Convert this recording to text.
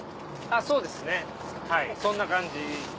そうですねはいそんな感じ。